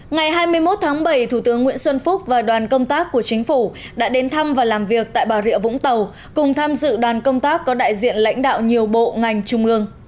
ngày hai mươi một tháng bảy thủ tướng nguyễn xuân phúc và đoàn công tác của chính phủ đã đến thăm và làm việc tại bà rịa vũng tàu cùng tham dự đoàn công tác có đại diện lãnh đạo nhiều bộ ngành trung ương